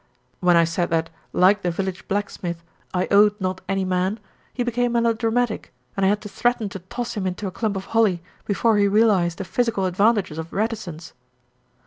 "When I said that, like the village blacksmith, I owed not any man, he became melodra matic, and I had to threaten to toss him into a clump of holly before he realised the physical advantages of reticence."